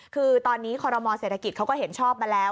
คือตอนนี้คอรมอเศรษฐกิจเขาก็เห็นชอบมาแล้ว